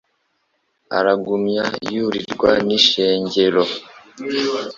Aragumya yurirwa n' ishengero